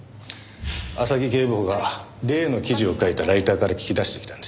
浅木警部補が例の記事を書いたライターから聞き出してきたんです。